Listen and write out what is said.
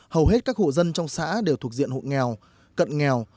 hầu hết các hộ dân trong xã đều thuộc diện hộ nghèo cận nghèo